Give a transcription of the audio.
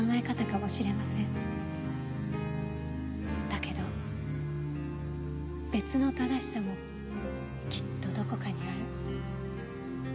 だけど別の正しさもきっとどこかにある。